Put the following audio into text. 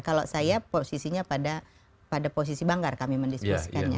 kalau saya posisinya pada posisi banggar kami mendiskusikannya